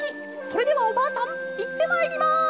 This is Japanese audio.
それではおばあさんいってまいります！」。